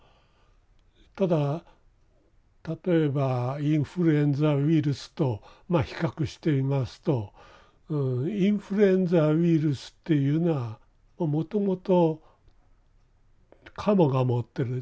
ただ例えばインフルエンザウイルスとまあ比較してみますとインフルエンザウイルスっていうのはもともとカモが持ってる鳥類のウイルスなんですね。